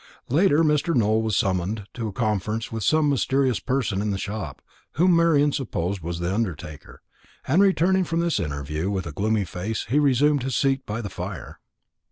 Later Mr. Nowell was summoned to a conference with some mysterious person in the shop, whom Marian supposed to be the undertaker; and returning from this interview with a gloomy face, he resumed his seat by the fire.